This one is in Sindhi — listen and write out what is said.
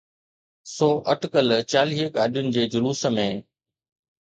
سو اٽڪل چاليهه گاڏين جي جلوس ۾.